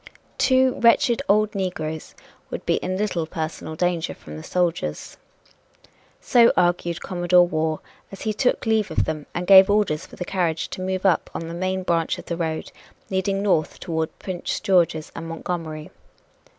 Two wretched old negroes would be in little personal danger from the soldiers. So argued Commodore Waugh as he took leave of them and gave orders for the carriage to move on up the main branch of the road leading north toward Prince George's and Montgomery.